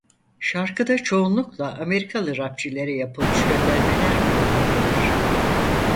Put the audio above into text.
Şarkıda çoğunlukla Amerikalı rapçilere yapılmış göndermeler bulunmaktadır.